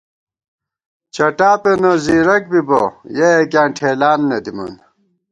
چٹا پېنہ زیرَک بِبہ ، یَہ یَکِیاں ٹھېلان نہ دِمان